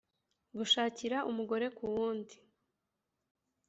gushakira umugore ku wundi